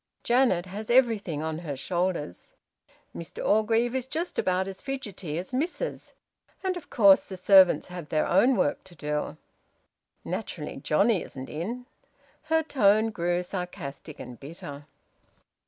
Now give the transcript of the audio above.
Janet has everything on her shoulders. Mr Orgreave is just about as fidgety as Mrs. And of course the servants have their own work to do. Naturally Johnnie isn't in!" Her tone grew sarcastic and bitter.